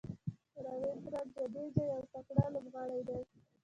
راوېندر جډیجا یو تکړه لوبغاړی دئ.